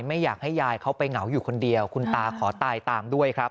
ไม่อยากให้ยายเขาไปเหงาอยู่คนเดียวคุณตาขอตายตามด้วยครับ